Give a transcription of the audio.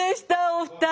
お二人。